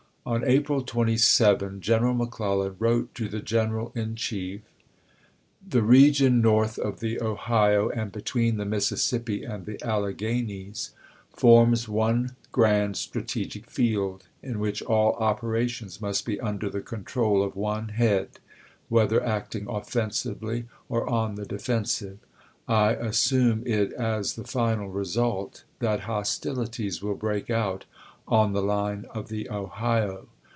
On April 27, General McClellan wi'ote to the Oeneral in Chief : The region north of the Ohio, and between the Missis sippi and the Alleghanies, forms one grand strategic field, in which all operations must be under the control of one head, whether acting offensively or on the defen 298 SCOTT'S ANACONDA 299 sive. I assume it as tlie final result that hostilities will ch. xvii. break out on the line of the Ohio.